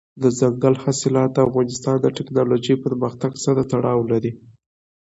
دځنګل حاصلات د افغانستان د تکنالوژۍ پرمختګ سره تړاو لري.